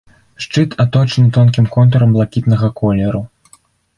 Шчыт аточаны тонкім контурам блакітнага колеру.